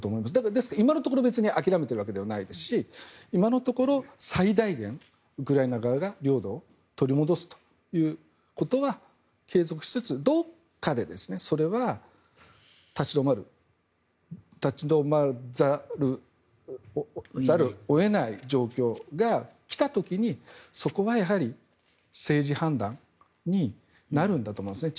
ですから、今のところ諦めているわけではないですし今のところ、最大限ウクライナ側が領土を取り戻すということは継続しつつどっかでそれは立ち止まらざるを得ない状況が来た時にそこは政治判断になるんだと思うんですね。